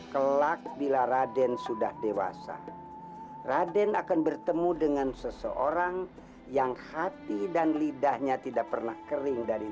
kelak bila raden sudah dewasa raden akan bertemu dengan seseorang yang hati dan lidahnya tidak pernah kering dari